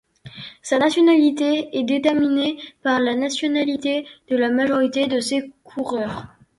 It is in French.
Sa nationalité est déterminée par la nationalité de la majorité de ses coureurs.